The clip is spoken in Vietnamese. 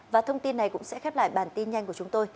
và thông tin này cũng sẽ khép lại bản tin nhanh của chúng tôi